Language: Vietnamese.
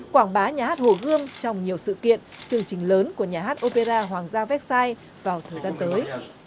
quảng bá nhà hát hồ gươm trong nhiều sự kiện chương trình lớn của nhà hát opera hoàng gia vecsai vào thời gian tới